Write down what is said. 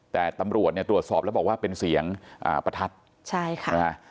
แต่ตำรวจตรวจสอบแล้วบอกว่าเป็นเสียงประทัดใช่ค่ะ